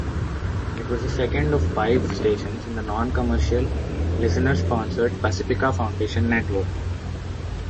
It was the second of five stations in the non-commercial, listener-sponsored Pacifica Foundation network.